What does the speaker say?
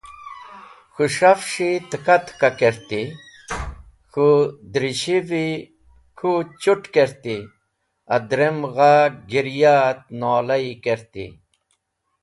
K̃hũ s̃hafs̃hi takah takah kerti. K̃hũ dirishi’vi kũ chut̃ kerti,.Adrem gha girya et nolayi kerti.